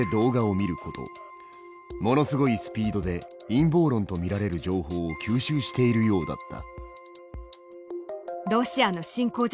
ものすごいスピードで陰謀論と見られる情報を吸収しているようだった。